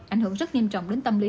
ảnh hưởng rất nghiêm trọng đến tâm lý